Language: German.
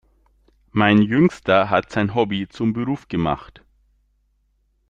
Mein Jüngster hat sein Hobby zum Beruf gemacht.